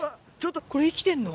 これ生きてんの？